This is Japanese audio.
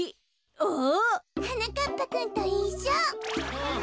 あ！はなかっぱくんといっしょ。